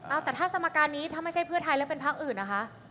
เอาแต่ถ้าสมการนี้ถ้าไม่ใช่เพื่อไทยแล้วเป็นพักอื่นนะคะ